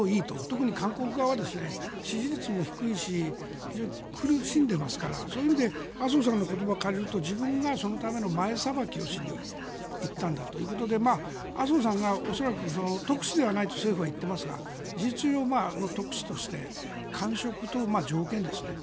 特に韓国側は支持率も低いし苦しんでいますからそういう意味で麻生さんの言葉を借りると自分がそのための前裁きをしに行ったんだということで麻生さんが恐らく特使ではないと政府が言っていますが事実上の特使として感触と条件ですね。